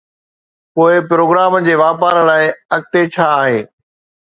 پوءِ پروگرام جي واپار لاءِ اڳتي ڇا آهي؟